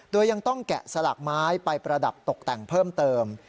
โดยยังต้องแกะสลักไม้ไปประดับตกแต่งเพิ่มเติม